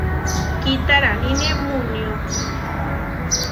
Kitaraníne muunío.